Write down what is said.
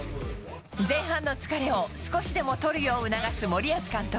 前半の疲れを少しでも取るよう促す森保監督。